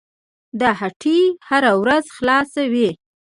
دا هټۍ هره ورځ خلاصه وي.